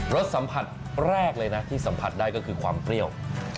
รสสัมผัสแรกเลยนะที่สัมผัสได้ก็คือความเปรี้ยว